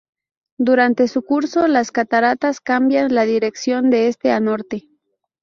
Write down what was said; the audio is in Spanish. Durante su curso las cataratas cambian la dirección de este a norte.